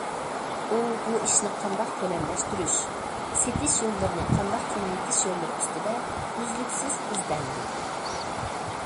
ئۇ بۇ ئىشنى قانداق كۆلەملەشتۈرۈش، سېتىش يوللىرىنى قانداق كېڭەيتىش يوللىرى ئۈستىدە ئۈزلۈكسىز ئىزدەندى.